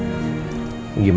gimana gak mikirin sih ma